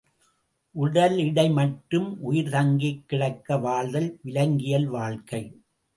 உடலிடை மட்டும் உயிர் தங்கிக் கிடக்க வாழ்தல் விலங்கியல் வாழ்க்கை.